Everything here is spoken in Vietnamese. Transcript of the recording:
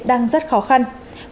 đang rất khó khăn